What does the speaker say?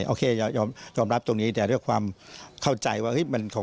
โอเคยอมรับตรงนี้แต่ด้วยความเข้าใจว่า